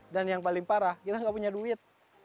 dan yang paling parah kita tidak punya duit